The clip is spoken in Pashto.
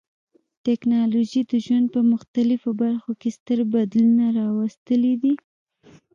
ټکنالوژي د ژوند په مختلفو برخو کې ستر بدلونونه راوستلي دي.